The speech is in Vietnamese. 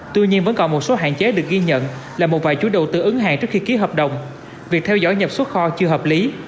tuy nhiên vẫn còn một số hạn chế được ghi nhận là một vài chú đầu tư ứng hàng trước khi ký hợp đồng việc theo dõi nhập xuất kho chưa hợp lý